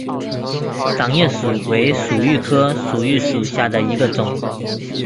掌叶薯为薯蓣科薯蓣属下的一个种。